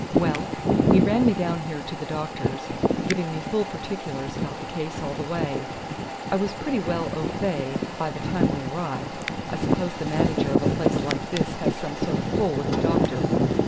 Well, he ran me down here to the doctor's, giving me full particulars about the case all the way. I was pretty well au fait by the time we arrived. I suppose the manager of a place like this has some sort of a pull with the doctor.